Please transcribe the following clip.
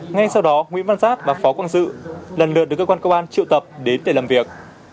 ngay sau đó nguyễn văn giáp và phó quang dự lần lượt được cơ quan công an triệu tập đến để làm việc